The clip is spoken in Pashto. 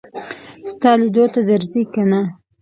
ستا لیدو ته درځي که نه.